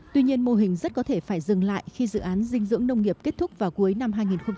tuy nhiên mô hình rất có thể phải dừng lại khi dự án dinh dưỡng nông nghiệp kết thúc vào cuối năm hai nghìn hai mươi